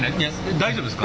大丈夫ですか？